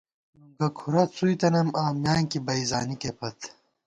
نُنگُہ کُھرَہ څُوئ تنَئیم آں، میانکی بئ زانِکے پت